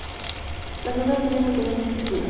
Las hojas tienen pequeñas estípulas.